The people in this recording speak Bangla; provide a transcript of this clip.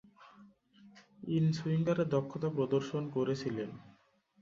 ইন-সুইঙ্গারে দক্ষতা প্রদর্শন করেছিলেন।